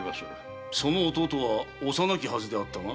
その弟は幼きはずであったが？